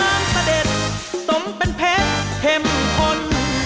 น้ำน้ำเสด็จสมเป็นเพชรเท่มคน